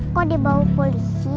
kok dia bawa polisi